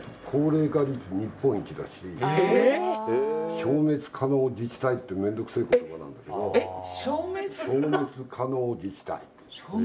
消滅可能自治体って面倒くさい言葉なんだけど消滅可能自治体